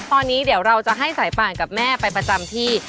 ตอนนี้เดี๋ยวเราจะให้สายป่านกับแม่ไปประจำที่